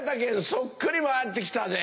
そっくり回って来たぜ。